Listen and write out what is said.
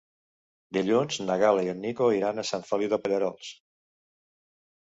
Dilluns na Gal·la i en Nico iran a Sant Feliu de Pallerols.